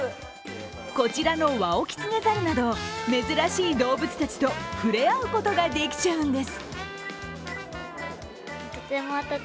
こちらのワオキツネザルなど、珍しい動物たちと触れ合うことができちゃうんです。